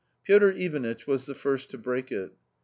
Piotr Ivanitch was the first to break it.